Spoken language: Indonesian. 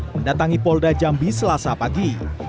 mendatangi polda jambi selasa pagi